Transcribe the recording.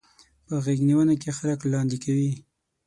په غېږنيونه کې خلک لاندې کوي.